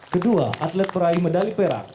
kedua atlet peraih medali perak